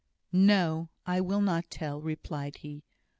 "No! I will not tell," replied he.